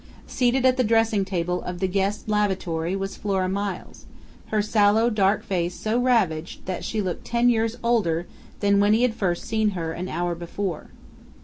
Seated at the dressing table of the guests' lavatory was Flora Miles, her sallow dark face so ravaged that she looked ten years older than when he had first seen her an hour before.